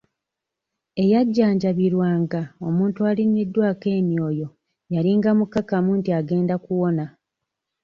Eyajanjabirwanga omuntu alinnyiddwako emyoyo yalinga mukakafu nti agenda kuwona.